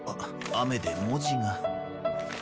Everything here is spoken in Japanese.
雨で文字が。